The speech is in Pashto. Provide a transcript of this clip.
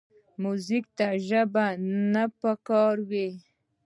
موزیک ته ژبه نه پکار وي.